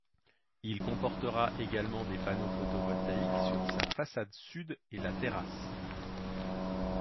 Il comportera également des panneaux photovoltaïques sur sa façade sud et la terrasse.